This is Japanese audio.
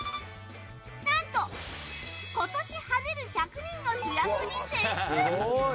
何と今年跳ねる１００人の主役に選出！